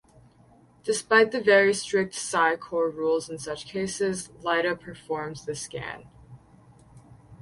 Despite the very strict Psi Corps rules in such cases, Lyta performed the scan.